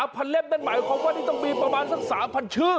พันเล่มนั่นหมายความว่านี่ต้องมีประมาณสัก๓๐๐ชื่อ